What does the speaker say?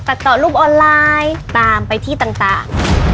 ต่อรูปออนไลน์ตามไปที่ต่าง